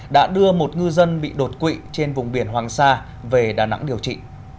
đã đưa một ngư dân bị đột quỵ trên vùng biển hoàng sa về đà nẵng điều trị